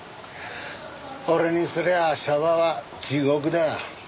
俺にすりゃあ娑婆は地獄だ。